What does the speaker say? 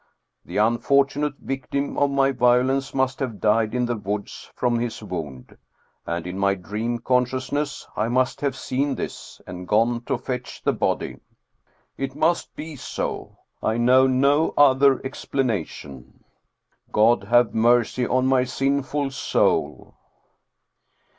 The unfortu nate victim of my violence must have died in the woods from his wound, and in my dream consciousness I must have seen this and gone to fetch the body. It must be so. I know no other explanation. God have mercy on my sin ful soul."